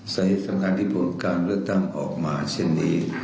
สายสำคัญที่ผลการเลือกตั้งออกมาเช่นนี้